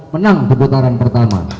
menang di putaran pertama